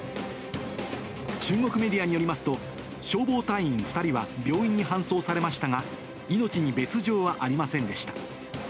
中国メディアによりますと、消防隊員２人は、病院に搬送されましたが、命に別状はありませんでした。